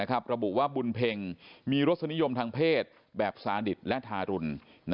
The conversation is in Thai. ระบุว่าบุญเพ็งมีรสนิยมทางเพศแบบสาดิตและทารุณ